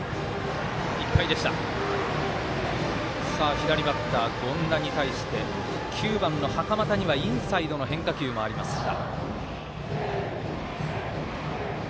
左バッター、権田に対して９番の袴田にはインサイドの変化球もありました。